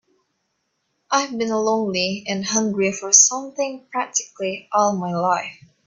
I've been lonely and hungry for something practically all my life.